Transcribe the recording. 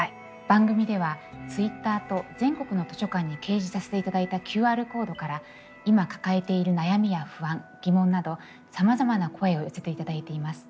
番組ではＴｗｉｔｔｅｒと全国の図書館に掲示させていただいたＱＲコードから今抱えている悩みや不安疑問などさまざまな声を寄せていただいています。